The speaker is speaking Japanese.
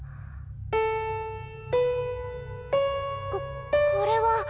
ここれは。